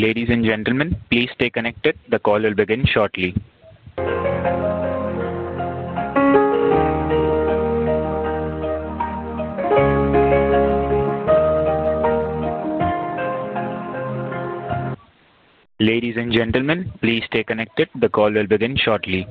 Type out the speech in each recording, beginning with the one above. Ladies and gentlemen, please stay connected. The call will begin shortly. Ladies and gentlemen, please stay connected. The call will begin shortly.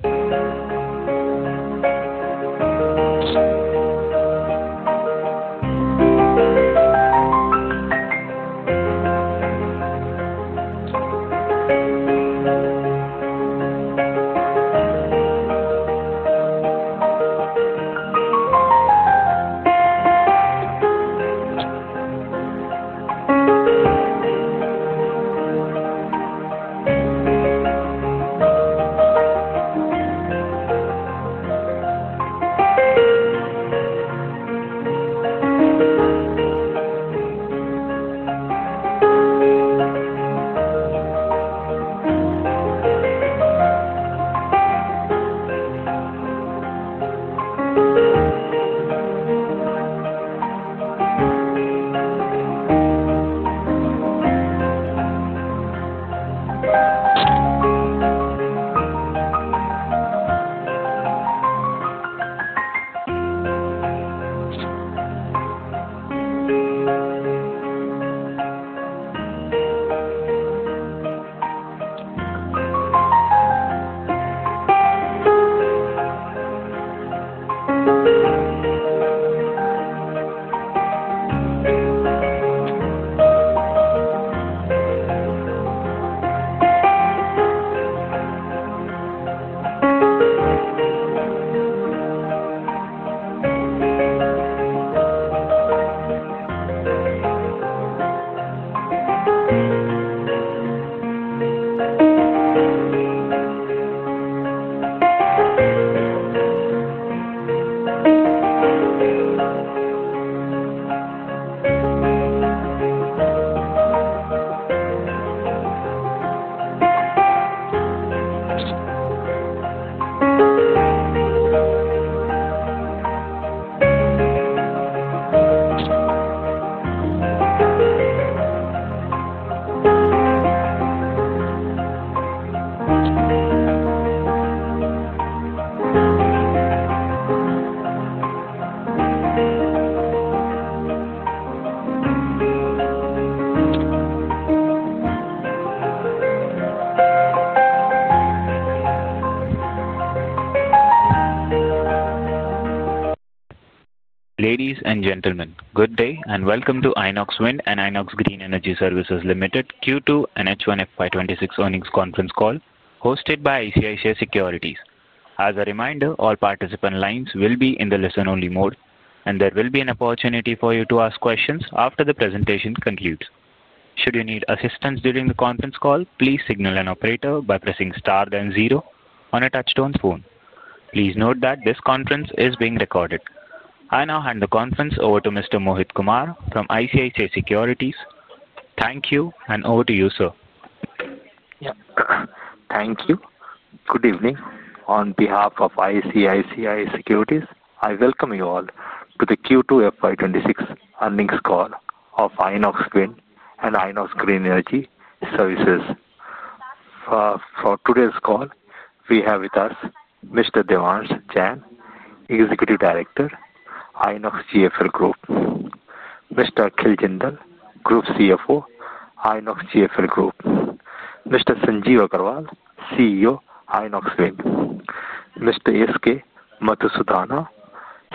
Ladies and gentlemen, good day and welcome to Inox Wind and Inox Green Energy Services Limited Q2 and H1 F526 earnings conference call hosted by ICICI Securities. As a reminder, all participant lines will be in the listen-only mode, and there will be an opportunity for you to ask questions after the presentation concludes. Should you need assistance during the conference call, please signal an operator by pressing star then zero on a touchstone phone. Please note that this conference is being recorded. I now hand the conference over to Mr. Mohit Kumar from ICICI Securities. Thank you, and over to you, sir. Yeah. Thank you. Good evening. On behalf of ICICI Securities, I welcome you all to the Q2 FY2026 earnings call of Inox Wind and Inox Green Energy Services. For today's call, we have with us Mr. Devansh Jain, Executive Director, INOXGFL Group; Mr. Akhil Jindal, Group CFO, INOXGFL Group; Mr. Sanjeev Agarwal, CEO, Inox Wind; Mr. S. K. Mathusudhana,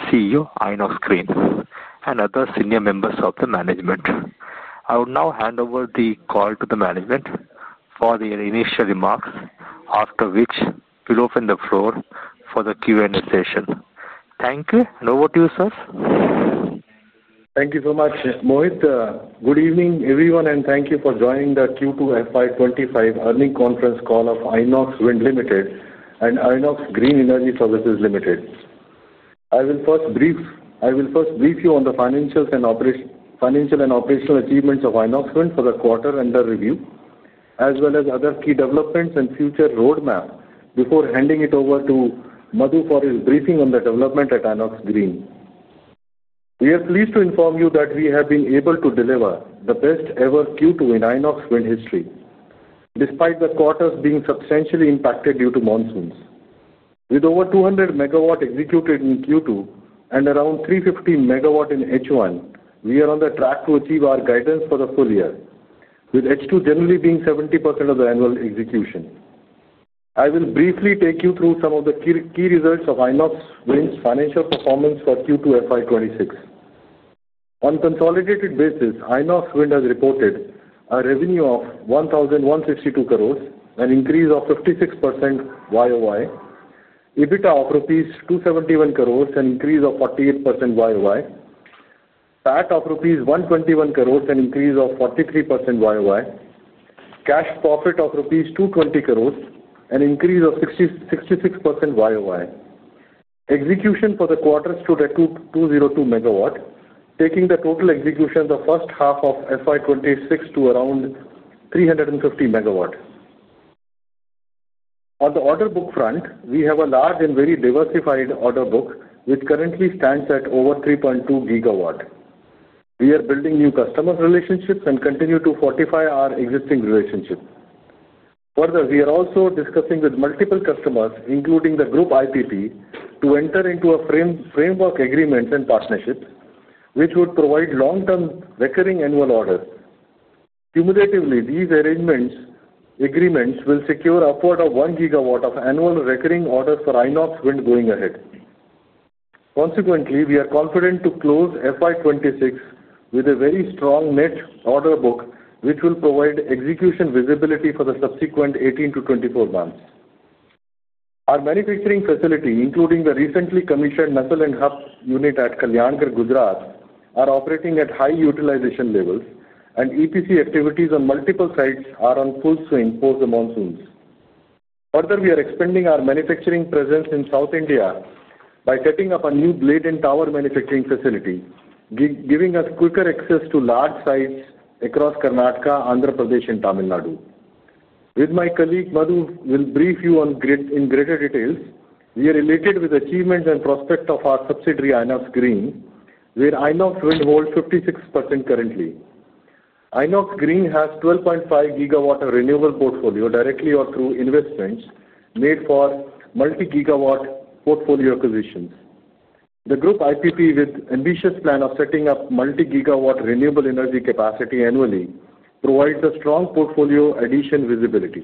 CEO, Inox Green; and other senior members of the management. I will now hand over the call to the management for their initial remarks, after which we'll open the floor for the Q&A session. Thank you, and over to you, sir. Thank you so much, Mohit. Good evening, everyone, and thank you for joining the Q2 FY2025 earnings conference call of Inox Wind Limited and Inox Green Energy Services Limited. I will first brief you on the financial and operational achievements of Inox Wind for the quarter-end review, as well as other key developments and future roadmap before handing it over to Madhu for his briefing on the development at Inox Green. We are pleased to inform you that we have been able to deliver the best-ever Q2 in Inox Wind history, despite the quarters being substantially impacted due to monsoons. With over 200 MW executed in Q2 and around 350 MW in H1, we are on the track to achieve our guidance for the full year, with H2 generally being 70% of the annual execution. I will briefly take you through some of the key results of Inox Wind's financial performance for Q2 FY2026. On a consolidated basis, Inox Wind has reported a revenue of 1,162 crore, an increase of 56% Y-o-Y, EBITDA of rupees 271 crore, an increase of 48% Y-o-Y, PAT of rupees 121 crore, an increase of 43% Y-o-Y, Cash Profit of rupees 220 crore, an increase of 66% Y-o-Y. Execution for the quarter is 202 MW, taking the total execution of the first half of FY2026 to around 350 MW. On the order book front, we have a large and very diversified order book, which currently stands at over 3.2 GW. We are building new customer relationships and continue to fortify our existing relationship. Further, we are also discussing with multiple customers, including the group IPP, to enter into framework agreements and partnerships, which would provide long-term recurring annual orders. Cumulatively, these agreements will secure upward of 1 GW of annual recurring orders for Inox Wind going ahead. Consequently, we are confident to close FY2026 with a very strong net order book, which will provide execution visibility for the subsequent 18-24 months. Our manufacturing facility, including the recently commissioned nacelle and hub unit at Kalyangarh, Gujarat, is operating at high utilization levels, and EPC activities on multiple sites are on full swing post the monsoons. Further, we are expanding our manufacturing presence in South India by setting up a new blade and tower manufacturing facility, giving us quicker access to large sites across Karnataka, Andhra Pradesh, and Tamil Nadu. With my colleague Madhu, I will brief you in greater details. We are related with achievements and prospects of our subsidiary Inox Green, where Inox Wind holds 56% currently. Inox Green has a 12.5 GW renewable portfolio directly or through investments made for multi-gigawatt portfolio acquisitions. The group IPP, with an ambitious plan of setting up multi-gigawatt renewable energy capacity annually, provides a strong portfolio additional visibility.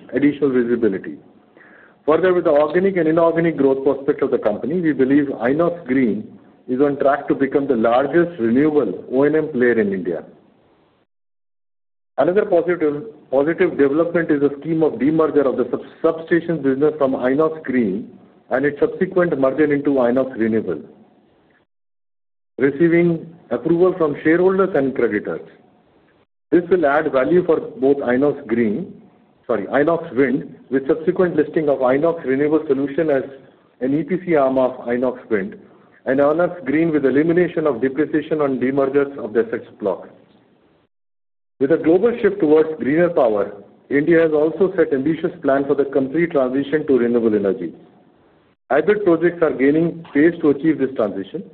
Further, with the organic and inorganic growth prospects of the company, we believe Inox Green is on track to become the largest renewable O&M player in India. Another positive development is the scheme of demerger of the substation business from Inox Green and its subsequent merger into Inox Renewables, receiving approval from shareholders and creditors. This will add value for both Inox Wind, with subsequent listing of Inox Renewables Solution as an EPC arm of Inox Wind, and Inox Green with the elimination of depreciation on demergers of the assets block. With a global shift towards greener power, India has also set ambitious plans for the complete transition to renewable energy. Hybrid projects are gaining pace to achieve this transition.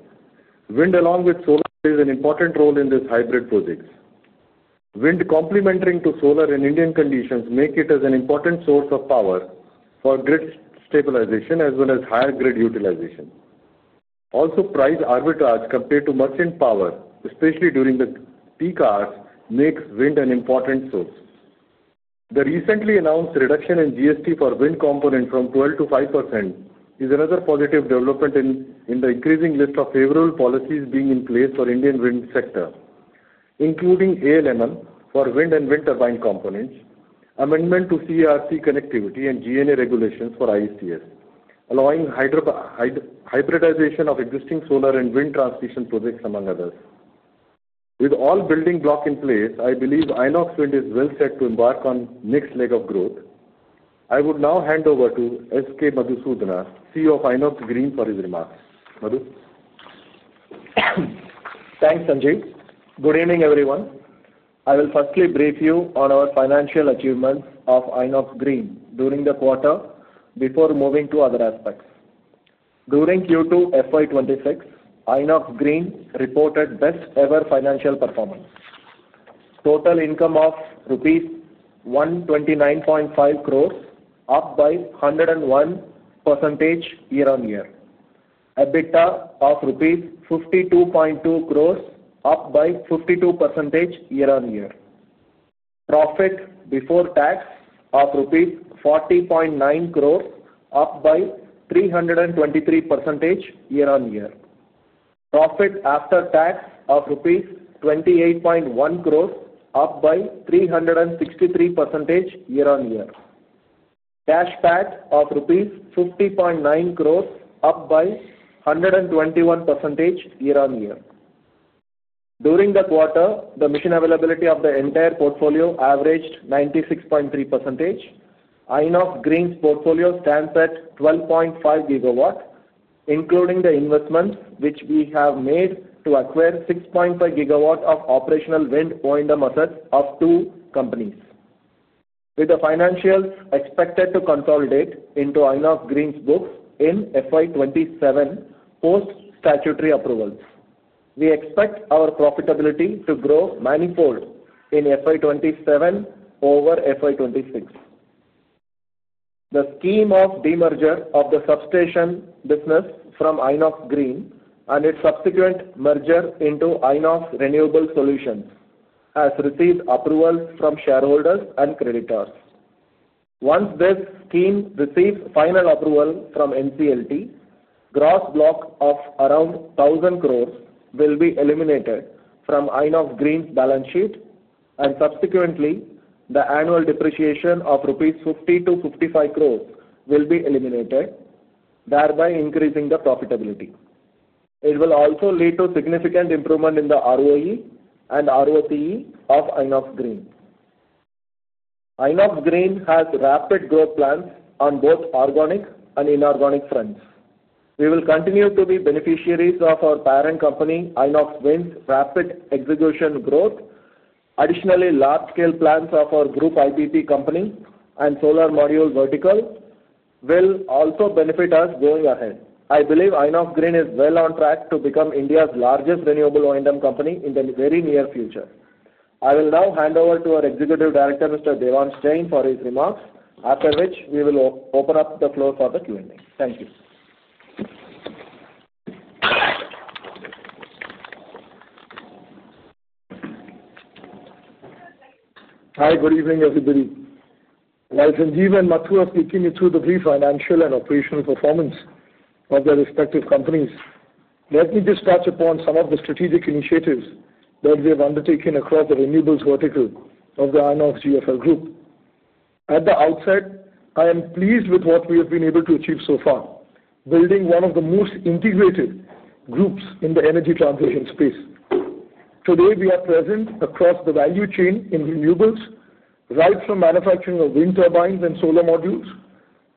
Wind, along with solar, plays an important role in these hybrid projects. Wind, complementary to solar in Indian conditions, makes it an important source of power for grid stabilization as well as higher grid utilization. Also, price arbitrage compared to merchant power, especially during the peak hours, makes wind an important source. The recently announced reduction in GST for wind components from 12%-5% is another positive development in the increasing list of favorable policies being in place for the Indian wind sector, including ALMM for wind and wind turbine components, amendment to CRT connectivity, and GNA regulations for IECS, allowing hybridization of existing solar and wind transmission projects, among others. With all building blocks in place, I believe Inox Wind is well set to embark on the next leg of growth. I would now hand over to S. K. Mathusudhana, CEO of Inox Green, for his remarks. Madhu. Thanks, Sanjeev. Good evening, everyone. I will firstly brief you on our financial achievements of Inox Green during the quarter before moving to other aspects. During Q2 FY2026, Inox Green reported best-ever financial performance. Total income of rupees 129.5 crore, up by 101% year-on-year. EBITDA of rupees 52.2 crore, up by 52% year-on-year. Profit before tax of rupees 40.9 crores, up by 323% year-on-year. Profit after tax of rupees 28.1 crores, up by 363% year-on-year. Cash PAT of rupees 50.9 crores, up by 121% year-on-year. During the quarter, the machine availability of the entire portfolio averaged 96.3%. Inox Green's portfolio stands at 12.5 GW, including the investments which we have made to acquire 6.5 GW of operational wind O&M assets of two companies. With the financials expected to consolidate into Inox Green's books in FY2027 post-statute approvals, we expect our profitability to grow manifold in FY2027 over FY2026. The scheme of demerger of the substation business from Inox Green and its subsequent merger into Inox Renewables Solution has received approvals from shareholders and creditors. Once this scheme receives final approval from NCLT, gross block of around 1,000 crore will be eliminated from Inox Green's balance sheet, and subsequently, the annual depreciation of rupees 50 crore-55 crore will be eliminated, thereby increasing the profitability. It will also lead to significant improvement in the ROE and ROCE of Inox Green. Inox Green has rapid growth plans on both organic and inorganic fronts. We will continue to be beneficiaries of our parent company, Inox Wind's rapid execution growth. Additionally, large-scale plans of our group IPP company and solar module vertical will also benefit us going ahead. I believe Inox Green is well on track to become India's largest renewable O&M company in the very near future. I will now hand over to our Executive Director, Mr. Devansh Jain, for his remarks, after which we will open up the floor for the Q&A. Thank you. Hi, good evening, everybody. While Sanjeev and Madhu are speaking me through the brief financial and operational performance of their respective companies, let me just touch upon some of the strategic initiatives that we have undertaken across the renewables vertical of the INOXGFL Group. At the outset, I am pleased with what we have been able to achieve so far, building one of the most integrated groups in the energy transition space. Today, we are present across the value chain in renewables, right from manufacturing of wind turbines and solar modules,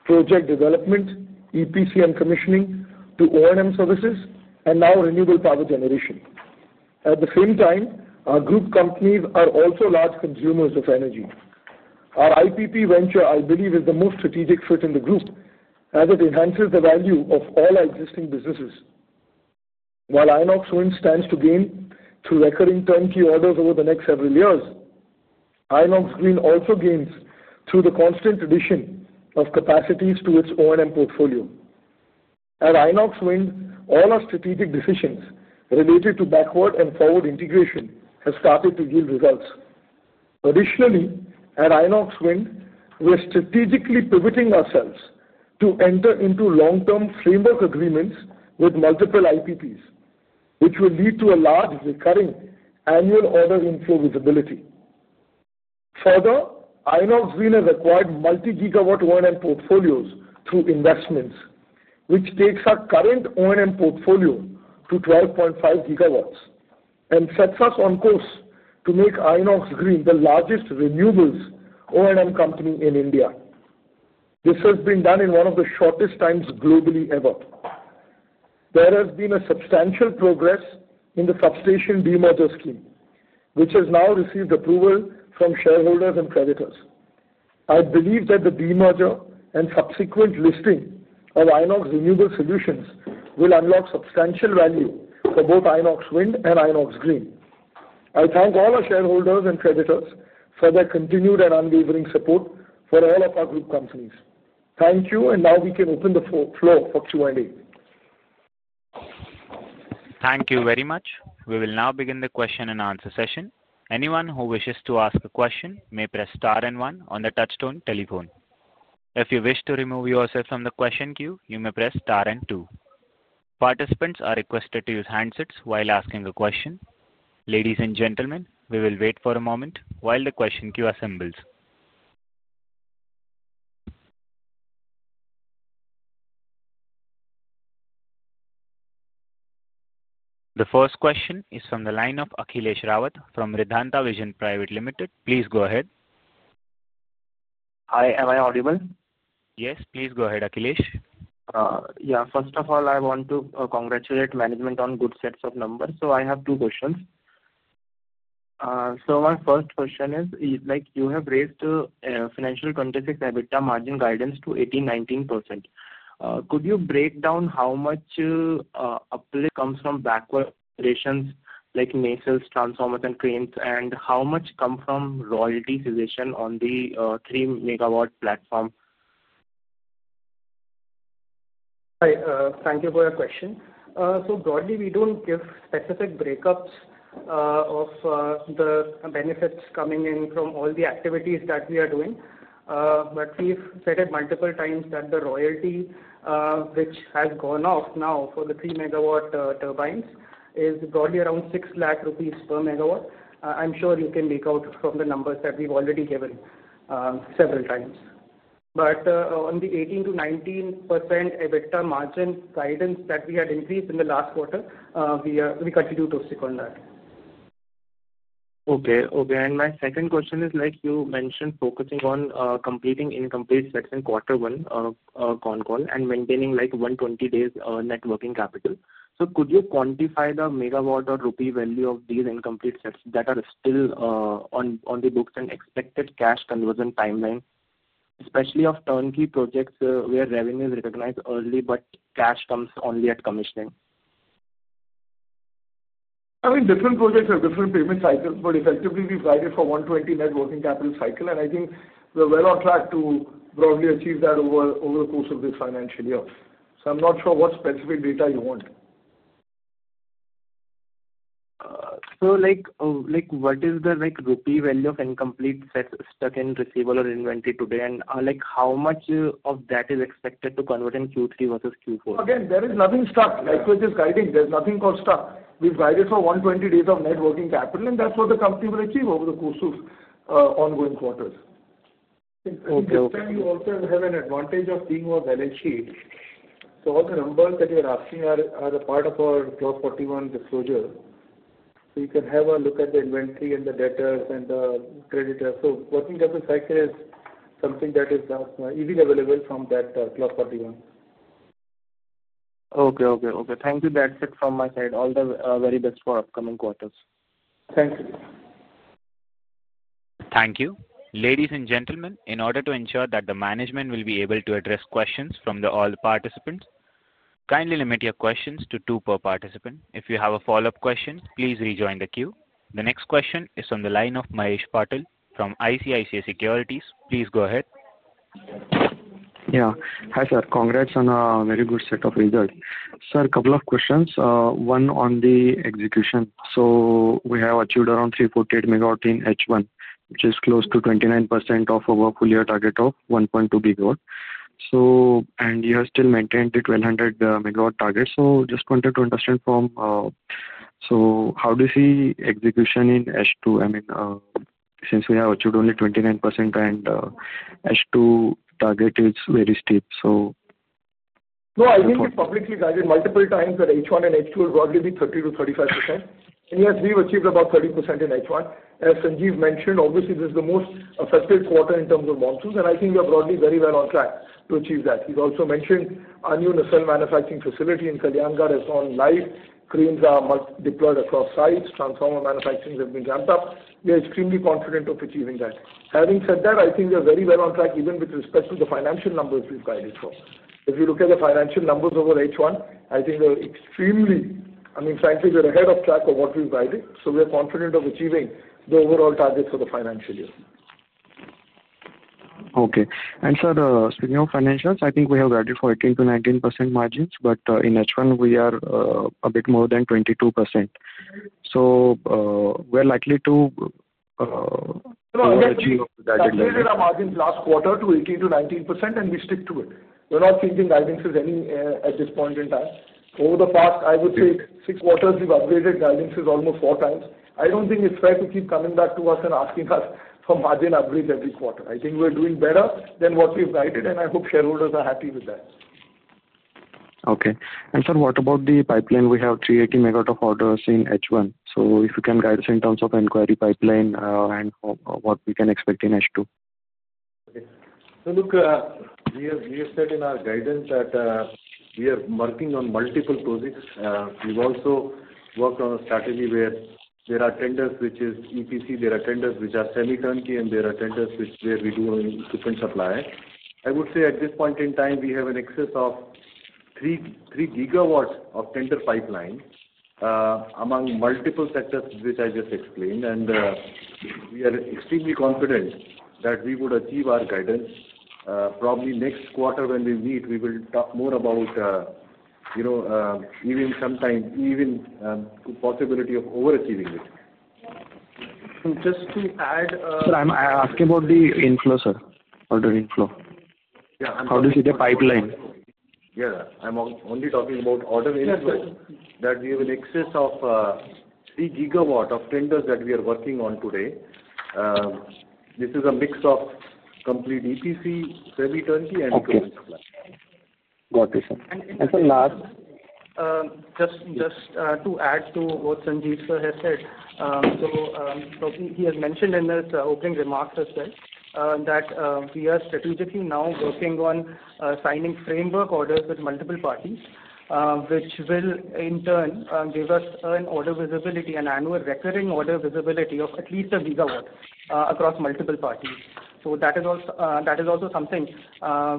project development, EPC and commissioning, to O&M services, and now renewable power generation. At the same time, our group companies are also large consumers of energy. Our IPP venture, I believe, is the most strategic fit in the group, as it enhances the value of all our existing businesses. While Inox Wind stands to gain through recurring turnkey orders over the next several years, Inox Green also gains through the constant addition of capacities to its O&M portfolio. At Inox Wind, all our strategic decisions related to backward and forward integration have started to yield results. Additionally, at Inox Wind, we are strategically pivoting ourselves to enter into long-term framework agreements with multiple IPPs, which will lead to a large recurring annual order inflow visibility. Further, Inox Green has acquired multi-gigawatt O&M portfolios through investments, which takes our current O&M portfolio to 12.5 GW and sets us on course to make Inox Green the largest renewables O&M company in India. This has been done in one of the shortest times globally ever. There has been a substantial progress in the substation demerger scheme, which has now received approval from shareholders and creditors. I believe that the demerger and subsequent listing of Inox Renewables Solution will unlock substantial value for both Inox Wind and Inox Green. I thank all our shareholders and creditors for their continued and unwavering support for all of our group companies. Thank you, and now we can open the floor for Q&A. Thank you very much. We will now begin the question-and-answer session. Anyone who wishes to ask a question may press star and one on the touchstone telephone. If you wish to remove yourself from the question queue, you may press star and two. Participants are requested to use handsets while asking a question. Ladies and gentlemen, we will wait for a moment while the question queue assembles. The first question is from the line of Mangesh Madhav from Ridhanta Vision Private Limited. Please go ahead. Hi, am I audible? Yes, please go ahead, Mangesh. Yeah, first of all, I want to congratulate management on good sets of numbers. So I have two questions. So my first question is, you have raised financial 2026 EBITDA margin guidance to 18%-19%. Could you break down how much comes from backward rations, like nacelles, transformers, and cranes, and how much comes from royalty suggestion on the 3 MW platform? Hi, thank you for your question. Broadly, we do not give specific breakups of the benefits coming in from all the activities that we are doing. We have said it multiple times that the royalty, which has gone off now for the 3 MW turbines, is broadly around 600,000 rupees per MW. I am sure you can make out from the numbers that we have already given several times. On the 18%-19% EBITDA margin guidance that we had increased in the last quarter, we continue to stick on that. Okay, okay. My second question is, like you mentioned, focusing on completing incomplete sets in quarter one of a con call and maintaining like 120 days networking capital. Could you quantify the megawatt or rupee value of these incomplete sets that are still on the books and expected cash conversion timeline, especially of turnkey projects where revenue is recognized early but cash comes only at commissioning? I mean, different projects have different payment cycles, but effectively, we've guided for 120 MW networking capital cycle, and I think we're well on track to broadly achieve that over the course of this financial year. I'm not sure what specific data you want. What is the INR value of incomplete sets stuck in receivable or inventory today, and how much of that is expected to convert in Q3 versus Q4? Again, there is nothing stuck. Like with this guiding, there's nothing called stuck. We've guided for 120 days of net working capital, and that's what the company will achieve over the course of ongoing quarters. At this time, you also have an advantage of being our balance sheet. So all the numbers that you're asking are a part of our Clause 41 disclosure. You can have a look at the inventory and the debtors and the creditors. Working capital cycle is something that is easily available from that Clause 41. Okay, okay, okay. Thank you. That's it from my side. All the very best for upcoming quarters. Thank you. Thank you. Ladies and gentlemen, in order to ensure that the management will be able to address questions from all the participants, kindly limit your questions to two per participant. If you have a follow-up question, please rejoin the queue. The next question is from the line of Mahesh Patil from ICICI Securities. Please go ahead. Yeah, hi sir. Congrats on a very good set of results. Sir, a couple of questions. One on the execution. We have achieved around 348 MW in H1, which is close to 29% of our full-year target of 1.2 GW. You have still maintained the 1,200 MW target. I just wanted to understand from how do you see execution in H2? I mean, since we have achieved only 29% and H2 target is very steep. No, I think we've publicly guided multiple times that H1 and H2 will probably be 30%-35%. Yes, we've achieved about 30% in H1. As Sanjeev mentioned, obviously, this is the most affected quarter in terms of monsoons, and I think we are broadly very well on track to achieve that. He's also mentioned our new nacelle manufacturing facility in Kalyangarh has gone live. Cranes are deployed across sites. Transformer manufacturing has been ramped up. We are extremely confident of achieving that. Having said that, I think we are very well on track even with respect to the financial numbers we've guided for. If you look at the financial numbers over H1, I think we're extremely—I mean, frankly, we're ahead of track of what we've guided. We are confident of achieving the overall targets for the financial year. Okay. Sir, speaking of financials, I think we have guided for 18%-19% margins, but in H1, we are a bit more than 22%. We are likely to. No, I'm just saying we've upgraded our margins last quarter to 18-19%, and we stick to it. We're not changing guidance at this point in time. Over the past, I would say, six quarters, we've upgraded guidance almost four times. I don't think it's fair to keep coming back to us and asking us for margin upgrades every quarter. I think we're doing better than what we've guided, and I hope shareholders are happy with that. Okay. Sir, what about the pipeline? We have 380 MW of orders in H1. If you can guide us in terms of inquiry pipeline and what we can expect in H2. Okay. Look, we have said in our guidance that we are working on multiple projects. We've also worked on a strategy where there are tenders, which is EPC. There are tenders which are semi-turnkey, and there are tenders where we do equipment supply. I would say at this point in time, we have in excess of 3 GW of tender pipeline among multiple sectors, which I just explained. We are extremely confident that we would achieve our guidance. Probably next quarter, when we meet, we will talk more about even the possibility of overachieving it. Just to add. Sir, I'm asking about the inflow, sir, order inflow. How do you see the pipeline? Yeah, I'm only talking about order inflow. That we have an excess of 3 GW of tenders that we are working on today. This is a mix of complete EPC, semi-turnkey, and equipment supply. Got it, sir. And sir, last. Just to add to what Sanjeev has said, he has mentioned in his opening remarks as well that we are strategically now working on signing framework orders with multiple parties, which will in turn give us an order visibility, an annual recurring order visibility of at least 1 GW across multiple parties. That is also something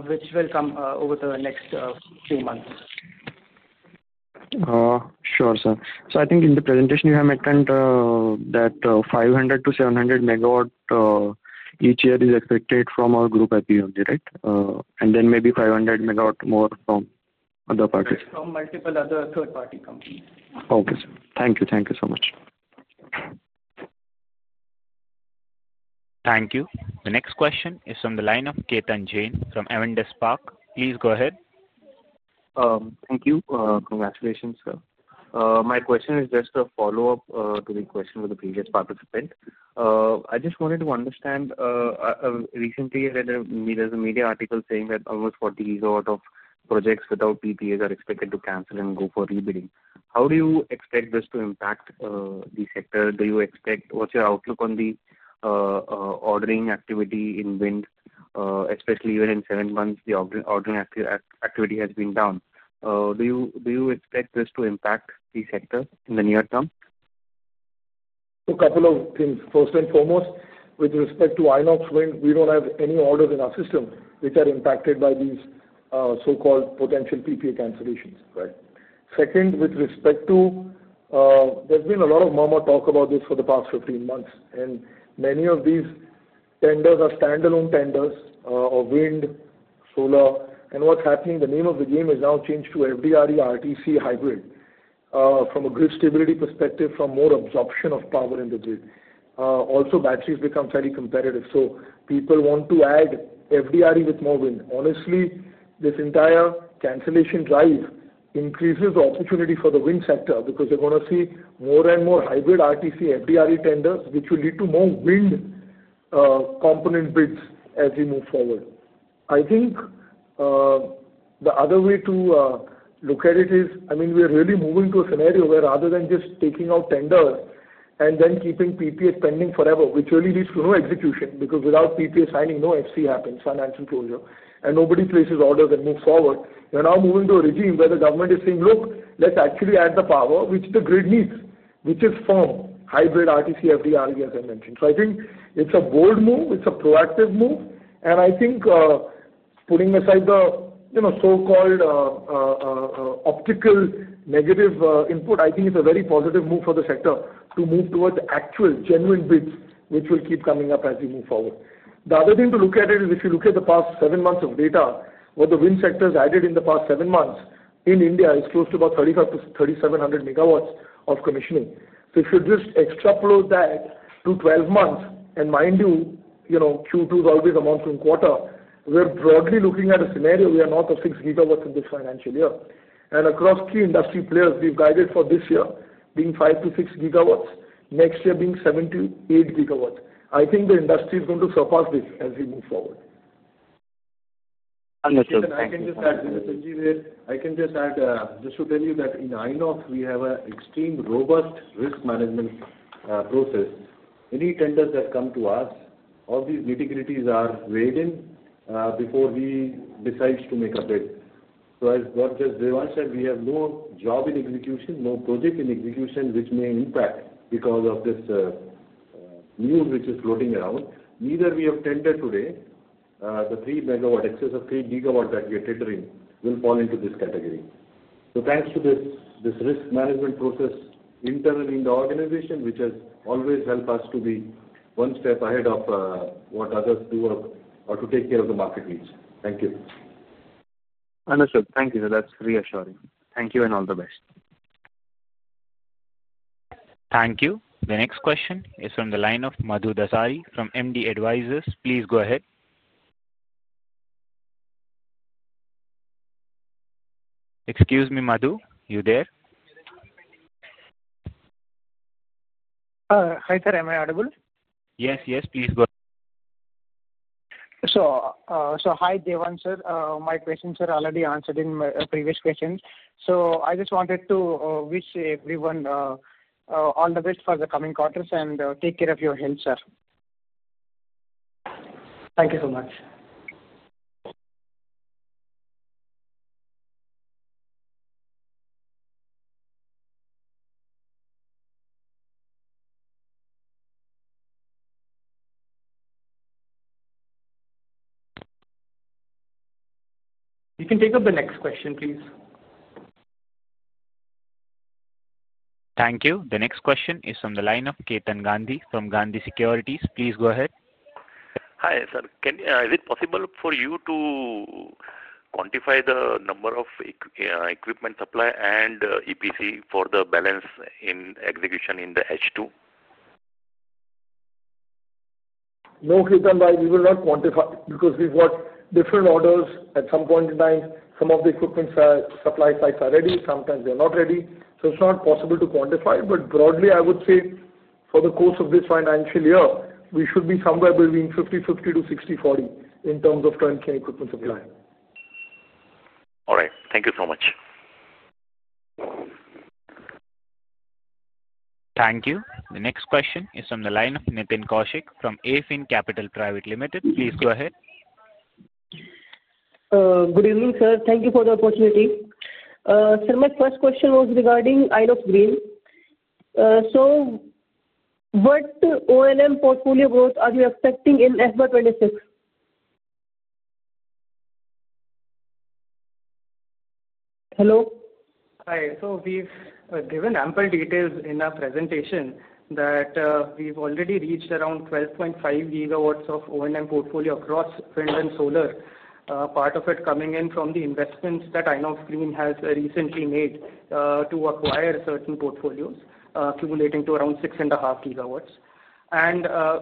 which will come over the next few months. Sure, sir. I think in the presentation, you have mentioned that 500-700 MW each year is expected from our group IPP, right? And then maybe 500 MW more from other parties. Yes, from multiple other third-party companies. Okay, sir. Thank you. Thank you so much. Thank you. The next question is from the line of Ketan Jain from Avendus Spark. Please go ahead. Thank you. Congratulations, sir. My question is just a follow-up to the question of the previous participant. I just wanted to understand. Recently, there's a media article saying that almost 40 GW of projects without PPAs are expected to cancel and go for rebidding. How do you expect this to impact the sector? Do you expect—what's your outlook on the ordering activity in wind, especially even in seven months? The ordering activity has been down. Do you expect this to impact the sector in the near term? A couple of things. First and foremost, with respect to Inox Wind, we do not have any orders in our system which are impacted by these so-called potential PPA cancellations, right? Second, with respect to—there has been a lot of murmur talk about this for the past 15 months, and many of these tenders are standalone tenders of wind, solar. What is happening, the name of the game has now changed to FDRE-RTC hybrid from a grid stability perspective, from more absorption of power in the grid. Also, batteries become fairly competitive. People want to add FDRE with more wind. Honestly, this entire cancellation drive increases the opportunity for the wind sector because you are going to see more and more hybrid RTC FDRE tenders, which will lead to more wind component bids as we move forward. I think the other way to look at it is, I mean, we are really moving to a scenario where rather than just taking out tenders and then keeping PPAs pending forever, which really leads to no execution because without PPA signing, no FC happens, financial closure, and nobody places orders and moves forward, you are now moving to a regime where the government is saying, "Look, let's actually add the power which the grid needs, which is firm hybrid RTC FDRE," as I mentioned. I think it's a bold move. It's a proactive move. I think putting aside the so-called optical negative input, I think it's a very positive move for the sector to move towards actual genuine bids, which will keep coming up as we move forward. The other thing to look at is if you look at the past seven months of data, what the wind sector has added in the past seven months in India is close to about 3,700 MW of commissioning. If you just extrapolate that to 12 months, and mind you, Q2 is always a monsoon quarter, we're broadly looking at a scenario. We are north of 6 GW in this financial year. Across key industry players, we've guided for this year being 5-6 GW, next year being 7-8 GW. I think the industry is going to surpass this as we move forward. And sir. I can just add, Sanjeev here. I can just add, just to tell you that in Inox, we have an extremely robust risk management process. Any tenders that come to us, all these nitty-gritties are weighed in before we decide to make a bid. As God just demonstrated, we have no job in execution, no project in execution which may impact because of this news which is floating around. Neither we have tendered today. The 3 MW, excess of 3 GW that we are tendering will fall into this category. Thanks to this risk management process internally in the organization, which has always helped us to be one step ahead of what others do or to take care of the market needs. Thank you. Understood. Thank you. That's reassuring. Thank you and all the best. Thank you. The next question is from the line of Madhu Dasari from MD Advisors. Please go ahead. Excuse me, Madhu, you there? Hi sir, am I audible? Yes, yes. Please go ahead. Hi, Devansh sir. My question, sir, already answered in my previous question. I just wanted to wish everyone all the best for the coming quarters and take care of your health, sir. Thank you so much. You can take up the next question, please. Thank you. The next question is from the line of Ketan Gandhi from Gandhi Securities. Please go ahead. Hi sir. Is it possible for you to quantify the number of equipment supply and EPC for the balance in execution in the H2? No, Ketan, we will not quantify because we've got different orders at some point in time. Some of the equipment supply sites are ready. Sometimes they're not ready. So it's not possible to quantify. But broadly, I would say for the course of this financial year, we should be somewhere between 50-50 to 60-40 in terms of turnkey equipment supply. All right. Thank you so much. Thank you. The next question is from the line of Nitin Kaushik from Afin Capital Private Limited. Please go ahead. Good evening, sir. Thank you for the opportunity. Sir, my first question was regarding Inox Green. So what O&M portfolio growth are you expecting in FY 2026? Hello? Hi. We have given ample details in our presentation that we have already reached around 12.5 GW of O&M portfolio across wind and solar, part of it coming in from the investments that Inox Green has recently made to acquire certain portfolios, accumulating to around 6.5 GW.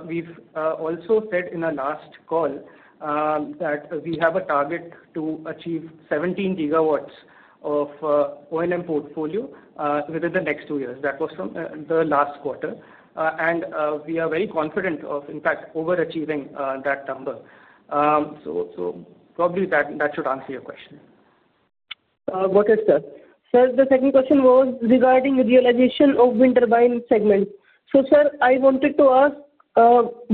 We have also said in our last call that we have a target to achieve 17 GW of O&M portfolio within the next two years. That was from the last quarter. We are very confident of, in fact, overachieving that number. Probably that should answer your question. Got it, sir. Sir, the second question was regarding the realization of wind turbine segments. So sir, I wanted to ask,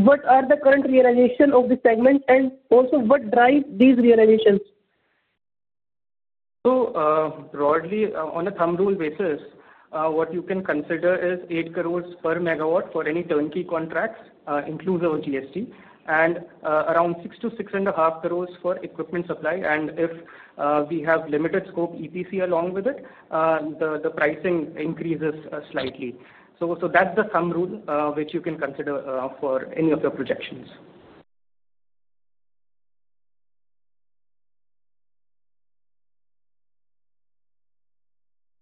what are the current realizations of the segments and also what drives these realizations? Broadly, on a thumb rule basis, what you can consider is 80 million per megawatt for any turnkey contracts, inclusive of GST, and around 60 million-65 million for equipment supply. If we have limited scope EPC along with it, the pricing increases slightly. That is the thumb rule which you can consider for any of your projections.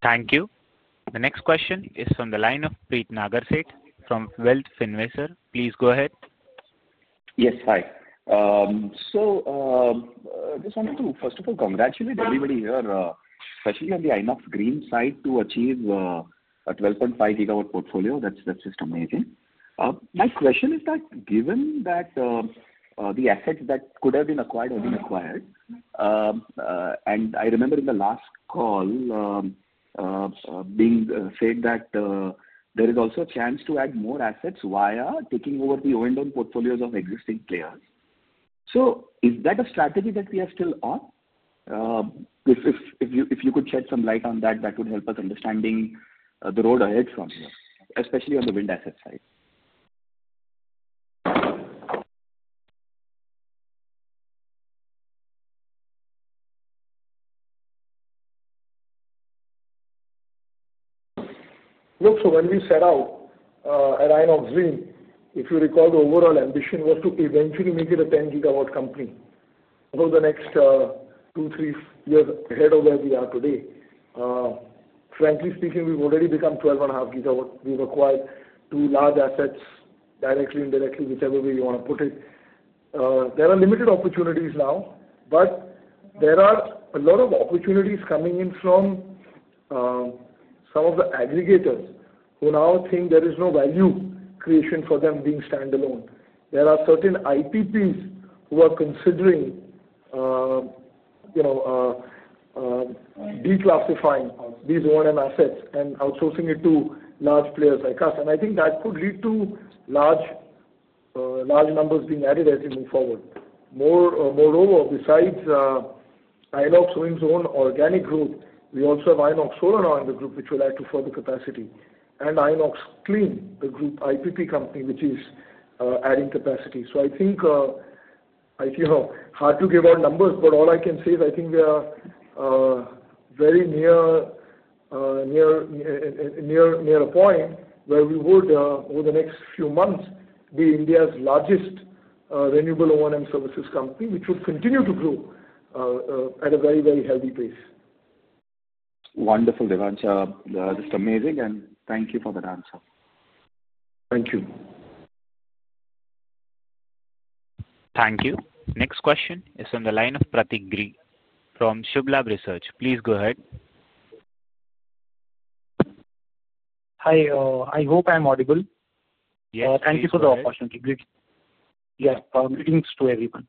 Thank you. The next question is from the line of Prit Nagersheth from Wealth Finvisor. Please go ahead. Yes, hi. I just wanted to, first of all, congratulate everybody here, especially on the Inox Green side, to achieve a 12.5 GW portfolio. That's just amazing. My question is that given that the assets that could have been acquired have been acquired, and I remember in the last call being said that there is also a chance to add more assets via taking over the O&M portfolios of existing players. Is that a strategy that we are still on? If you could shed some light on that, that would help us understand the road ahead from here, especially on the wind asset side. Look, when we set out at Inox Green, if you recall, the overall ambition was to eventually make it a 10 GW company over the next two, three years ahead of where we are today. Frankly speaking, we've already become 12.5 GW. We've acquired two large assets directly, indirectly, whichever way you want to put it. There are limited opportunities now, but there are a lot of opportunities coming in from some of the aggregators who now think there is no value creation for them being standalone. There are certain ITPs who are considering declassifying these O&M assets and outsourcing it to large players like us. I think that could lead to large numbers being added as we move forward. Moreover, besides Inox Wind's own organic growth, we also have Inox Solar now in the group, which will add to further capacity, and Inox Clean, the group IPP company, which is adding capacity. I think it's hard to give out numbers, but all I can say is I think we are very near a point where we would, over the next few months, be India's largest renewable O&M services company, which would continue to grow at a very, very health y pace. Wonderful, Devansh. Just amazing. Thank you for that answer. Thank you. Thank you. Next question is from the line of Prateek Giri from Subh Labh Research. Please go ahead. Hi. I hope I'm audible. Yes, you are. Thank you for the opportunity. Great. Yes, greetings to everyone.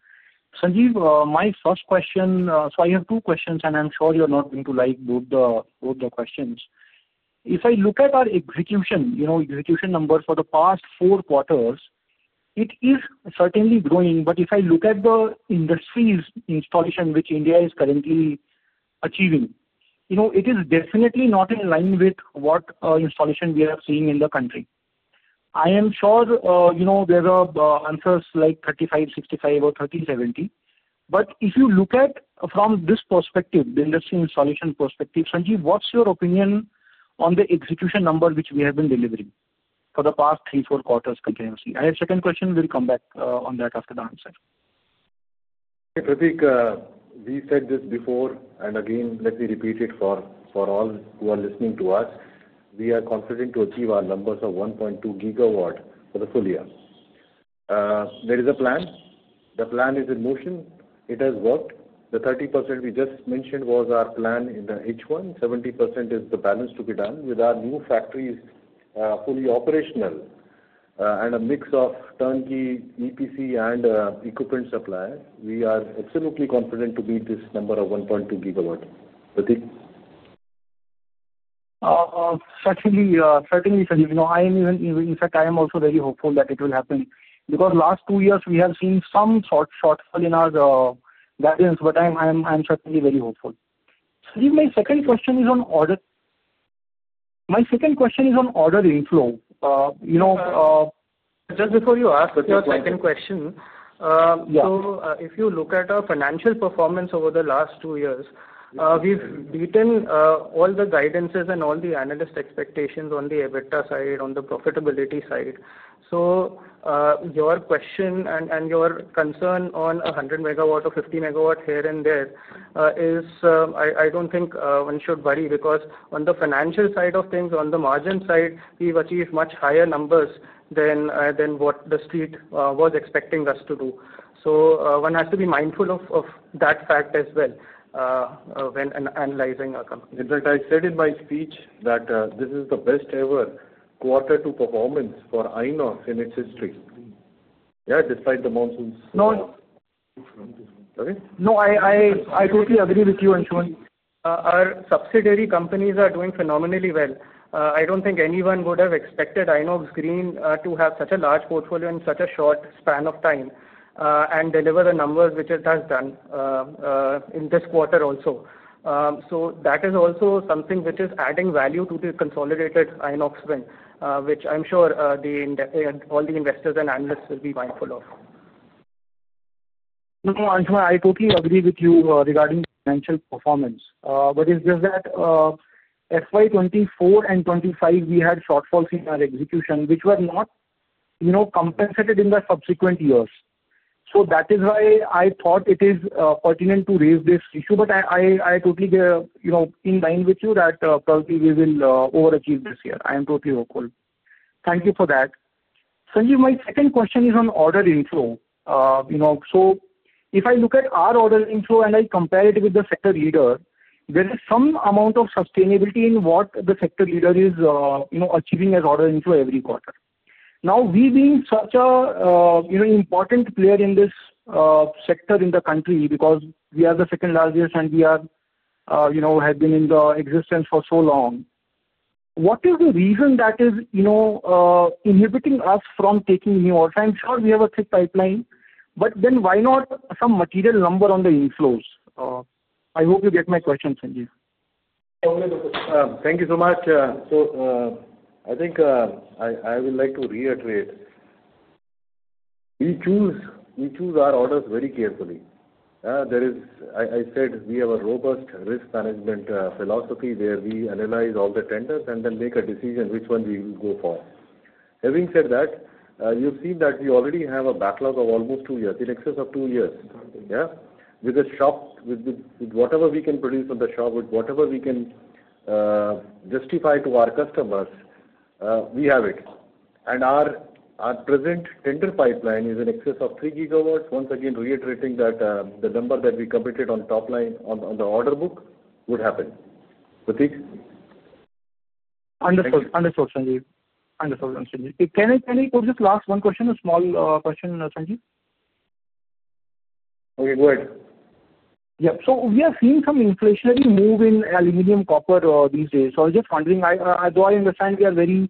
Sanjeev, my first question—so I have two questions, and I'm sure you're not going to like both the questions. If I look at our execution, execution numbers for the past four quarters, it is certainly growing. If I look at the industry's installation, which India is currently achieving, it is definitely not in line with what installation we are seeing in the country. I am sure there are answers like 35, 65, or 30, 70. If you look at from this perspective, the industry installation perspective, Sanjeev, what's your opinion on the execution number which we have been delivering for the past three, four quarters continuously? I have a second question. We'll come back on that after the answer. Prateek, we said this before, and again, let me repeat it for all who are listening to us. We are confident to achieve our numbers of 1.2 GW for the full year. There is a plan. The plan is in motion. It has worked. The 30% we just mentioned was our plan in H1. 70% is the balance to be done. With our new factories fully operational and a mix of turnkey EPC and equipment suppliers, we are absolutely confident to beat this number of 1.2 GW. Prateek? Certainly, Sanjeev. In fact, I am also very hopeful that it will happen because last two years, we have seen some shortfall in our guidance, but I am certainly very hopeful. Sanjeev, my second question is on order. My second question is on order inflow. Just before you ask the second question, if you look at our financial performance over the last two years, we've beaten all the guidances and all the analyst expectations on the EBITDA side, on the profitability side. Your question and your concern on 100 MW or 50 MW here and there is, I don't think one should worry because on the financial side of things, on the margin side, we've achieved much higher numbers than what the street was expecting us to do. One has to be mindful of that fact as well when analyzing our company. In fact, I said in my speech that this is the best-ever quarter to performance for Inox Wind in its history. Yeah, despite the monsoons. No, I totally agree with you, Anshuman. Our subsidiary companies are doing phenomenally well. I don't think anyone would have expected Inox Green to have such a large portfolio in such a short span of time and deliver the numbers which it has done in this quarter also. That is also something which is adding value to the consolidated Inox Wind, which I'm sure all the investors and analysts will be mindful of. No, Anshuman, I totally agree with you regarding financial performance. It is just that FY 2024 and 2025, we had shortfalls in our execution, which were not compensated in the subsequent years. That is why I thought it is pertinent to raise this issue. I am totally in line with you that probably we will overachieve this year. I am totally hopeful. Thank you for that. Sanjeev, my second question is on order inflow. If I look at our order inflow and I compare it with the sector leader, there is some amount of sustainability in what the sector leader is achieving as order inflow every quarter. Now, we being such an important player in this sector in the country because we are the second largest and we have been in existence for so long, what is the reason that is inhibiting us from taking new orders? I'm sure we have a thick pipeline, but then why not some material number on the inflows? I hope you get my question, Sanjeev. Thank you so much. I think I would like to reiterate. We choose our orders very carefully. I said we have a robust risk management philosophy where we analyze all the tenders and then make a decision which one we will go for. Having said that, you've seen that we already have a backlog of almost two years, in excess of two years. Yeah, with the shop, with whatever we can produce from the shop, with whatever we can justify to our customers, we have it. Our present tender pipeline is in excess of 3 GW. Once again, reiterating that the number that we committed on top line on the order book would happen. Prateek? Understood. Understood, Sanjeev. Understood, Anshuman. Can I put just last one question, a small question, Sanjeev? Okay, go ahead. Yeah. We are seeing some inflationary move in aluminum, copper these days. I was just wondering, though I understand we are very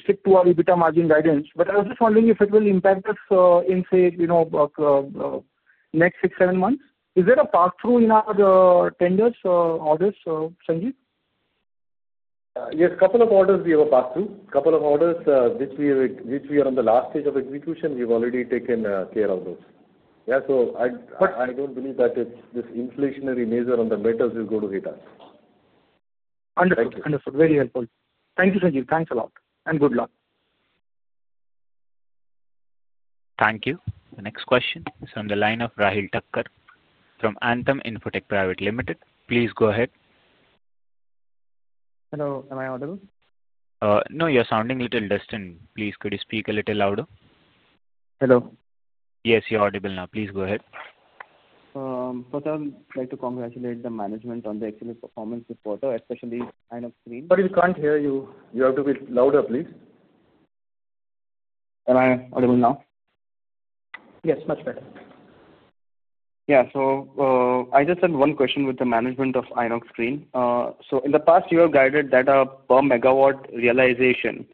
strict to our EBITDA margin guidance, I was just wondering if it will impact us in, say, next six, seven months. Is there a pass-through in our tenders, orders, Sanjeev? Yes, a couple of orders we have a pass-through. A couple of orders which we are on the last stage of execution, we've already taken care of those. Yeah, so I don't believe that this inflationary measure on the meters will go to hit us. Understood. Understood. Very helpful. Thank you, Sanjeev. Thanks a lot. Good luck. Thank you. The next question is from the line of Rahul Thakkar from Anthem Infotech Private Limited. Please go ahead. Hello. Am I audible? No, you're sounding a little distant. Please, could you speak a little louder? Hello. Yes, you're audible now. Please go ahead. First, I would like to congratulate the management on the excellent performance this quarter, especially Inox Green. Sorry, we can't hear you. You have to be louder, please. Am I audible now? Yes, much better. Yeah. I just had one question with the management of Inox Green. In the past, you have guided that a per-megawatt realization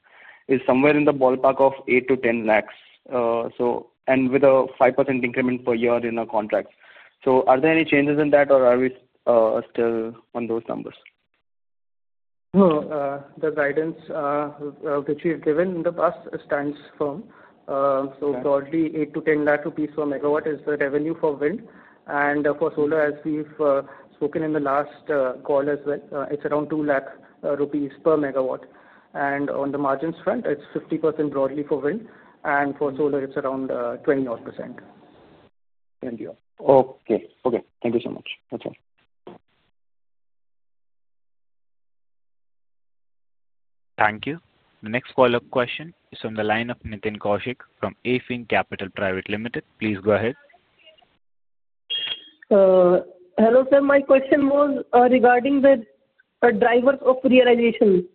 is somewhere in the ballpark of 800,000-1,000,000 and with a 5% increment per year in our contracts. Are there any changes in that, or are we still on those numbers? No, the guidance which we've given in the past stands firm. Broadly, 800,000-1,000,000 rupees per megawatt is the revenue for wind. For solar, as we've spoken in the last call as well, it's around 200,000 rupees per megawatt. On the margins front, it's 50% broadly for wind. For solar, it's around 20% odd. Thank you. Okay. Thank you so much. That's all. Thank you. The next follow-up question is from the line of Nitin Kaushik from Afin Capital Private Limited. Please go ahead. Hello, sir. My question was regarding the drivers of realization.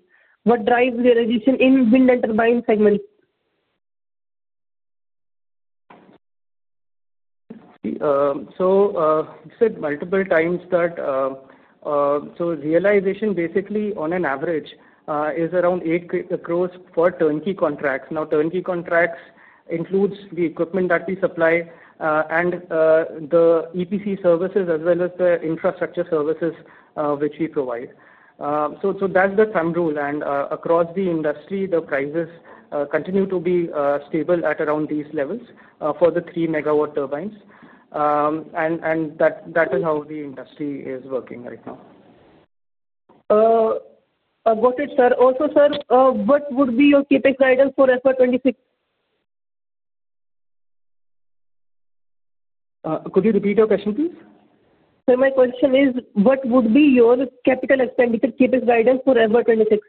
What drives realization in wind and turbine segments? You said multiple times that realization, basically, on an average, is around 8 crore per turnkey contracts. Now, turnkey contracts include the equipment that we supply and the EPC services as well as the infrastructure services which we provide. That is the thumb rule. Across the industry, the prices continue to be stable at around these levels for the 3 MW turbines. That is how the industry is working right now. Got it, sir. Also, sir, what would be your CapEx guidance for FY2026? Could you repeat your question, please? Sir, my question is, what would be your capital expenditure CapEx guidance for FY2026?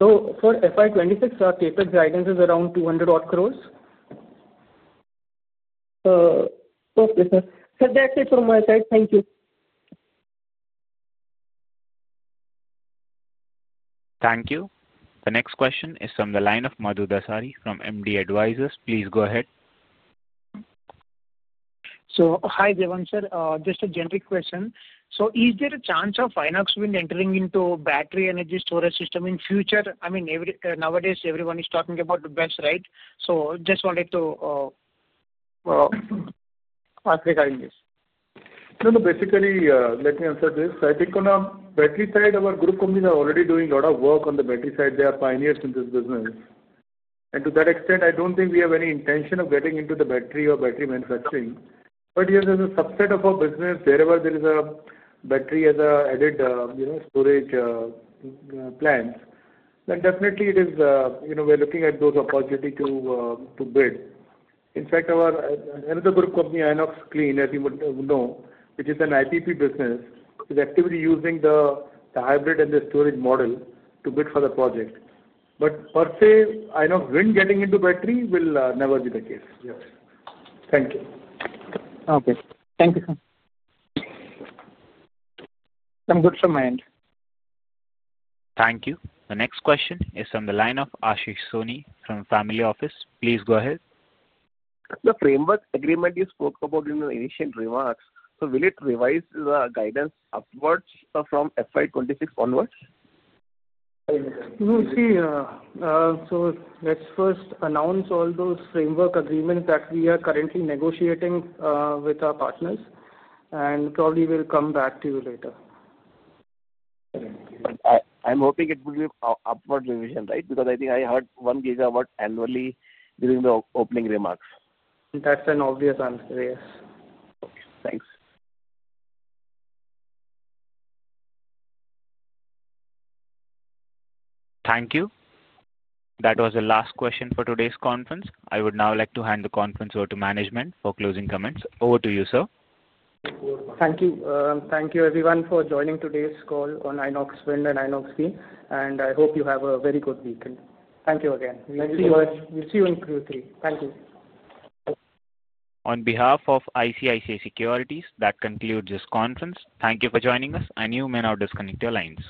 For FY2026, our CapEx guidance is around 200 crore. Okay, sir. So that's it from my side. Thank you. Thank you. The next question is from the line of Mathusudhana from MD Advisors. Please go ahead. Hi, Devansh. Just a generic question. Is there a chance of Inox Wind entering into battery energy storage system in future? I mean, nowadays, everyone is talking about BESS, right? Just wanted to ask regarding this. No, no. Basically, let me answer this. I think on our battery side, our group will be already doing a lot of work on the battery side. They are pioneers in this business. To that extent, I do not think we have any intention of getting into the battery or battery manufacturing. Yes, as a subset of our business, wherever there is a battery as an added storage plant, then definitely we are looking at those opportunities to bid. In fact, another group called Inox Clean, as you know, which is an IPP business, is actively using the hybrid and the storage model to bid for the project. Per se, Inox Wind getting into battery will never be the case. Thank you. Okay. Thank you, sir. I'm good from my end. Thank you. The next question is from the line of Ashish Soni from Family Office. Please go ahead. The framework agreement you spoke about in the initial remarks, so will it revise the guidance upwards from FY2026 onwards? No, see, so let's first announce all those framework agreements that we are currently negotiating with our partners, and probably we'll come back to you later. I'm hoping it will be upward revision, right? Because I think I heard 1 GW annually during the opening remarks. That's an obvious answer, yes. Okay. Thanks. Thank you. That was the last question for today's conference. I would now like to hand the conference over to management for closing comments. Over to you, sir. Thank you. Thank you, everyone, for joining today's call on Inox Wind and Inox Green. I hope you have a very good weekend. Thank you again. We'll see you in Q3. Thank you. On behalf of ICICI Securities, that concludes this conference. Thank you for joining us, and you may now disconnect your lines.